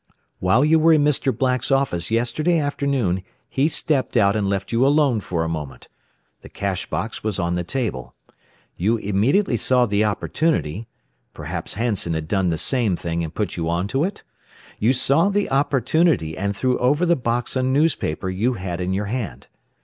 "While you were in Mr. Black's office yesterday afternoon he stepped out and left you alone for a moment. The cash box was on the table. You immediately saw the opportunity (perhaps Hansen had done the same thing, and put you onto it?) you saw the opportunity, and threw over the box a newspaper you had in your hand.